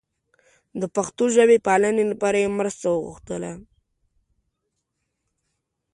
د پښتو ژبې پالنې لپاره یې مرسته وغوښتله.